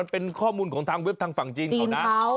เป็นข้อมูลของทางเว็บทางฝั่งจีนเขานะ